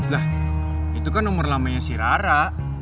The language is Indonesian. lah itu kan nomor lamanya si rara